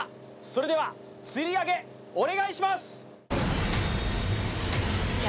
それでは吊り上げお願いします